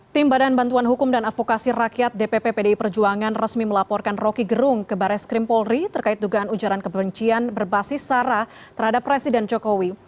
tim badan bantuan hukum dan advokasi rakyat dpp pdi perjuangan resmi melaporkan rocky gerung ke baris krim polri terkait dugaan ujaran kebencian berbasis sara terhadap presiden jokowi